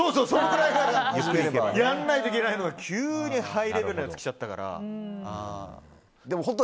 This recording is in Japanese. それくらいからやらなきゃいけないのが急にハイレベルなやつがきちゃったから。